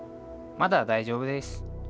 「まだ大丈夫です」。